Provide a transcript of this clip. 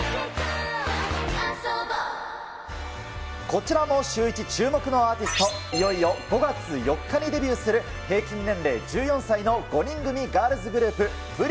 こちらもシューイチ注目のアーティスト、いよいよ５月４日にデビューする、平均年齢１４歳の５人組ガールズグループ、ＰＲＩＫＩＬ。